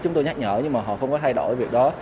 chúng tôi nhắc nhở nhưng mà họ không có thay đổi về việc đó